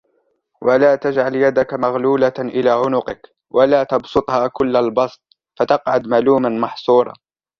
ولا تجعل يدك مغلولة إلى عنقك ولا تبسطها كل البسط فتقعد ملوما محسورا